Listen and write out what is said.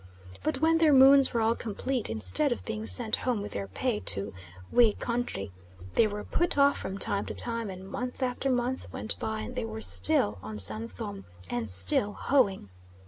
But when their moons were all complete, instead of being sent home with their pay to "We country," they were put off from time to time; and month after month went by and they were still on San Thome, and still hoeing.